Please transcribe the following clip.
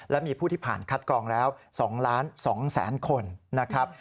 และมีผู้ที่ผ่านคัดกองแล้ว๒๒๐๐๐คนนะครับ